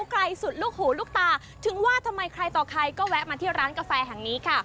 ไกลสุดลูกหูลูกตาถึงว่าทำไมใครต่อใครก็แวะมาที่ร้านกาแฟแห่งนี้ค่ะ